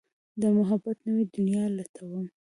د محبت نوې دنيا لټوم